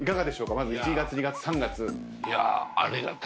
まず１月・２月・３月。